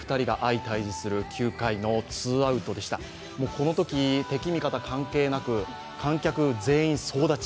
このとき敵味方関係なく観客全員、総立ち。